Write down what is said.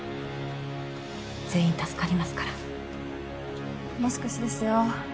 全員助かりますからもう少しですよ